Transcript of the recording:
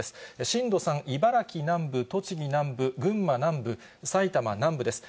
震度３、茨城南部、栃木南部、群馬南部、埼玉南部です。